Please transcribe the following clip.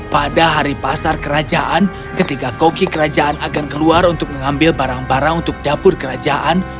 pada hari pasar kerajaan ketika koki kerajaan akan keluar untuk mengambil barang barang untuk dapur kerajaan